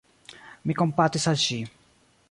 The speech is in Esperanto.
Mi kompatis al ŝi.